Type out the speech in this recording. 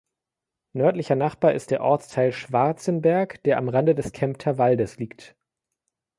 Nördlicher Nachbar ist der Ortsteil Schwarzenberg, der am Rande des Kempter Waldes liegt.